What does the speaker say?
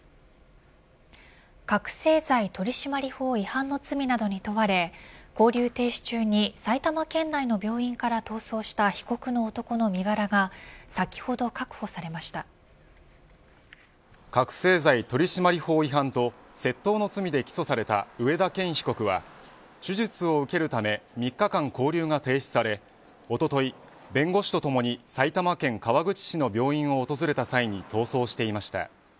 覚せい剤取締法違反の罪などに問われ勾留停止中に埼玉県内の病院から逃走した被告の男の身柄が覚せい剤取締法違反と窃盗の罪で起訴された上田健被告は手術を受けるため３日間勾留が停止されおととい弁護士とともに埼玉県川口市の病院を訪れた際に逃走していました。